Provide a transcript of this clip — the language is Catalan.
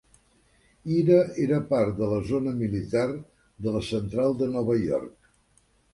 Ira era part de la zona militar de la central de Nova York.